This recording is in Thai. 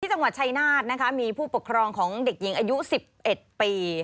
จังหวัดชายนาฏนะคะมีผู้ปกครองของเด็กหญิงอายุ๑๑ปี